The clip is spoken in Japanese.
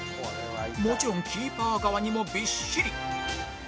もちろんキーパー側にもびっしり！